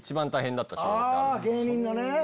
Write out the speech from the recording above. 芸人がね。